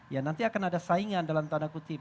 ya nanti akan ada saingan dalam tanda kutip